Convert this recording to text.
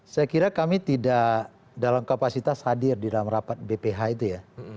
saya kira kami tidak dalam kapasitas hadir di dalam rapat bph itu ya